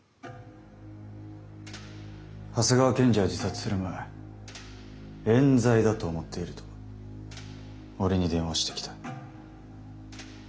長谷川検事は自殺する前えん罪だと思っていると俺に電話してきた。